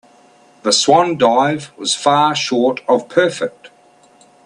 The swan dive was far short of perfect.